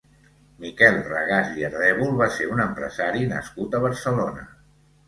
Miquel Regàs i Ardèvol va ser un empresari nascut a Barcelona.